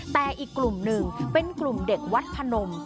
แต่อีกกลุ่มหนึ่งเป็นกลุ่มเด็กวัดพนม